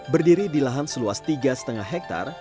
berdiri di lahan seluas tiga lima hektare